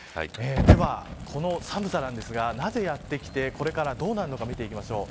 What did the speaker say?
では、この寒さなんですがなぜやってきて、これからどうなるのか見ていきましょう。